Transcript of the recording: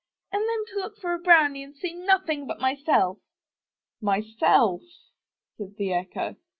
And then to look for a brownie and see nothing but myself!" '^Myself," said the Echo.